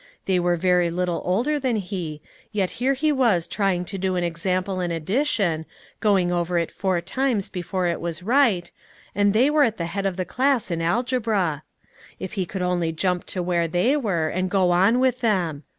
They were very little older than he, yet here he was trying to do an example in addition, doing it over four times before it was right, and they were at the head of the class in algebra. If he could only jump to where they were, and go on with them!